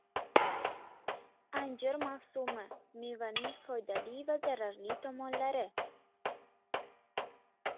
Anjir mavsumi: mevaning foydali va zararli tomonlari